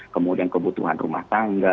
kemudian kebutuhan rumah tangga